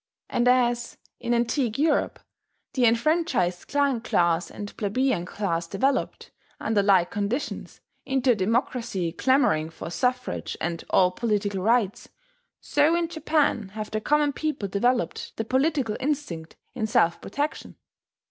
And as, in antique Europe, the enfranchised client class and plebeian class developed, under like conditions, into a democracy clamouring for suffrage and all political rights, so in Japan have the common people developed the political instinct, in self protection.